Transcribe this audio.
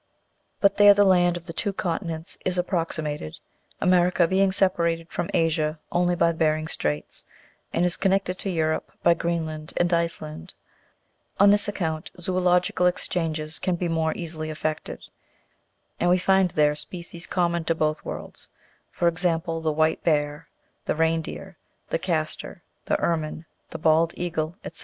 But there the land of the two continents is approxi mated, America being separated from Asia only by Behring's Straits, and is connected to Europe by Greenland and Iceland : on this account zoological exchanges can be more easily effected, and we find there species common to both worlds ; for example, the white bear, the reindeer, the castor, the ermine, the bald eagle, &c.